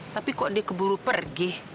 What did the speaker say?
tapi kok dia keburu pergi